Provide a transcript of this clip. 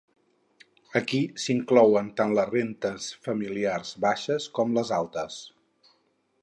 Aquí s"inclouen tant les rentes familiars baixes com les altes.